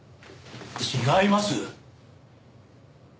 違います！